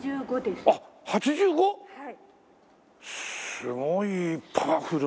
すごいパワフルな。